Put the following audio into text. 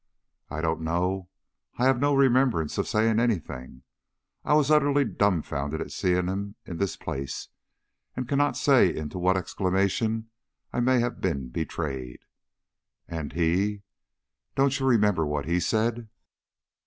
"I don't know. I have no remembrance of saying any thing. I was utterly dumbfounded at seeing him in this place, and cannot say into what exclamation I may have been betrayed." "And he? Don't you remember what he said?"